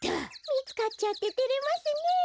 みつかっちゃっててれますねえ。